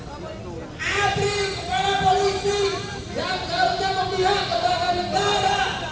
abri kepada polisi yang seharusnya mempihak kepada negara